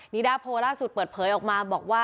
นิดาโพล่าสุดเปิดเผยออกมาบอกว่า